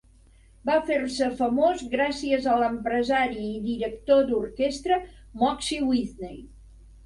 Va fer-se famós gràcies a l'empresari i director d'orquestra Moxie Whitney.